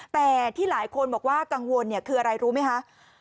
แต่ที่หลายคนบอกว่ากังวลคืออะไรรู้ไหมคะ